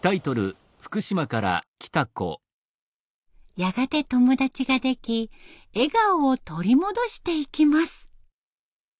やがて友達ができ笑顔を取り戻していきます。